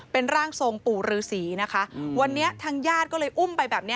เป็นร่างทรงปู่ฤษีนะคะวันนี้ทางญาติก็เลยอุ้มไปแบบนี้